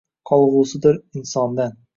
Qolg’usidir insondan.